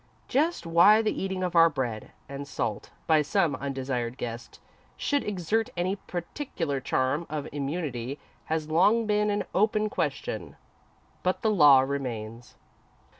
Just why the eating of our bread and salt by some undesired guest should exert any particular charm of immunity, has long been an open question, but the Law remains.